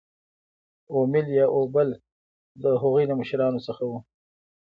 اومیل یا اوبل د هغوی له مشرانو څخه وو.